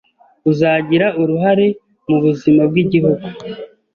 uzagira uruhare mu buzima bw’Igihugu